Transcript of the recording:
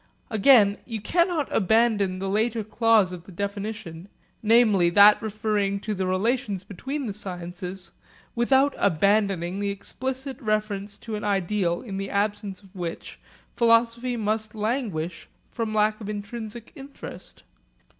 Again, you cannot abandon the later clause of the definition; namely that referring to the relations between the sciences, without abandoning the explicit reference to an ideal in the absence of which philosophy must languish from lack of intrinsic interest.